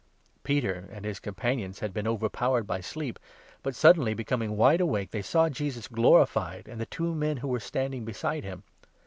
Peter and his companions had been overpowered by sleep but, suddenly becoming wide awake, they saw Jesus glorified and the two men who were standing beside him.